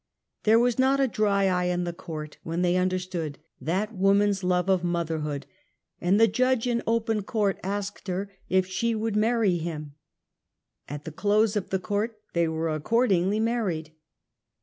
There was not a dry eye in the court, when they understood that woman's love of motherhood, and ; the judge in open court asked her if she would mar ry him. And at the close of the court they were accordingly married.